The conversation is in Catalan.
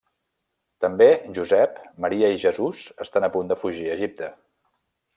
També Josep, Maria i Jesús estan a punt de fugir a Egipte.